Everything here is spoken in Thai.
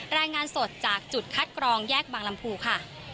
รายงานสดจากจุดคัดกรองแยกบางลำพูค่ะ